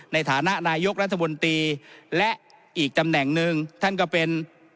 ในฐานะนายกรัฐมนตรีและอีกตำแหน่งหนึ่งท่านก็เป็น